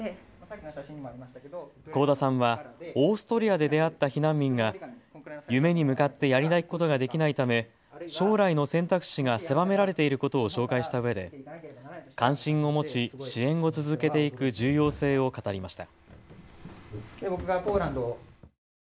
幸田さんはオーストリアで出会った避難民が夢に向かってやりたいことができないため将来の選択肢が狭められていることを紹介したうえで関心を持ち支援を続けていく重要性を語りました。